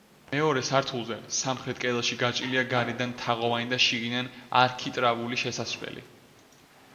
მეორე სართულზე, სამხრეთ კედელში გაჭრილია გარედან თაღოვანი და შიგნიდან არქიტრავული შესასვლელი.